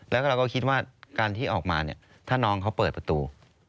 แล้วก็เราก็คิดว่าการที่ออกมาเนี่ยถ้าน้องเขาเปิดประตู